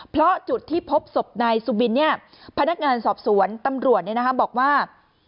เพราะจุดที่พบสบนายสุบินเนี่ยพนักงานสอบสวนตำรวจเนี่ยนะฮะบอกว่า